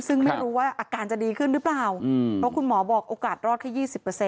ซึ่งไม่รู้ว่าอาการจะดีขึ้นหรือเปล่าเพราะคุณหมอบอกโอกาสรอดแค่๒๐